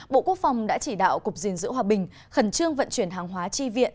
bộ quốc phòng đã chỉ đạo cục diện giữ hòa bình khẩn trương vận chuyển hàng hóa chi viện